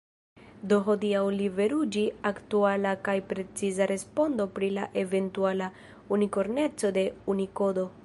Do hodiaŭ liveriĝu aktuala kaj preciza respondo pri la eventuala unikorneco de Unikodo.